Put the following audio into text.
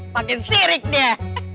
pakain sirik dia